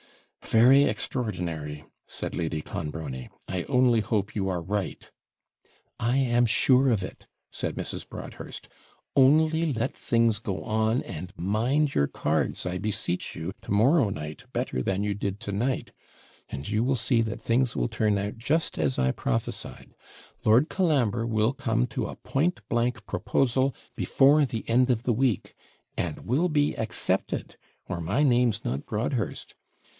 'Very extraordinary!' said Lady Clonbrony. 'I only hope you are right.' 'I am sure of it,' said Mrs. Broadhurst. 'Only let things go on, and mind your cards, I beseech you, to morrow night better than you did to night; and you will see that things will turn out just as I prophesied. Lord Colambre will come to a point blank proposal before the end of the week, and will be accepted, or my name's not Broadhurst.